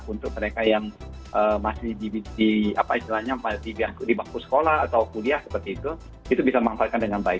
untuk mereka yang masih di apa istilahnya di baku sekolah atau kuliah seperti itu itu bisa memanfaatkan dengan baik